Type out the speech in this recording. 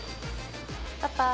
パパ。